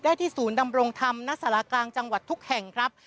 ที่ศูนย์ดำรงธรรมณสารกลางจังหวัดทุกแห่งครับ